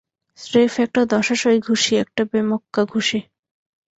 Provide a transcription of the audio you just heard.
স্রেফ একটা দশাসই ঘুষি, একটা বেমক্কা ঘুষি।